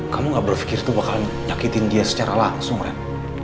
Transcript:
kamu gak berpikir itu bakalan nyakitin dia secara langsung ren